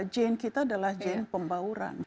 jen kita adalah jen pembauran